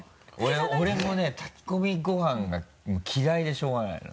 俺もね炊き込みご飯が嫌いでしょうがないのよ。